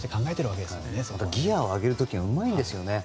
ギアを上げる時がうまいんですよね。